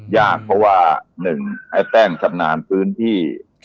ยากเพราะว่า๑ไอ้แป้งชำนาญพื้นที่